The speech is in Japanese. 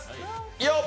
よっ！